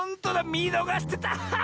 みのがしてた！